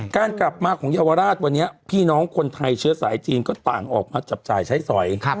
การกลับมาของเยาวราชวันนี้พี่น้องคนไทยเชื้อสายจีนก็ต่างออกมาจับจ่ายใช้สอย